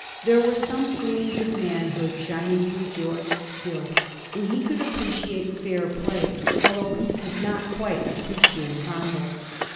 There were some gleams of manhood shining through George still, and he could appreciate fair play although he could not quite appreciate Handel.